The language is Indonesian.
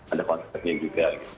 ada konsepnya juga